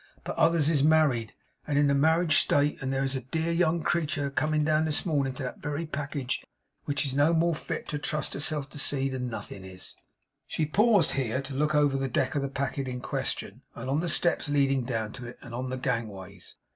But others is married, and in the marriage state; and there is a dear young creetur a comin' down this mornin' to that very package, which is no more fit to trust herself to sea, than nothin' is!' She paused here to look over the deck of the packet in question, and on the steps leading down to it, and on the gangways.